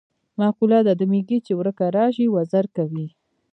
مقوله ده: د میږي چې ورکه راشي وزر کوي.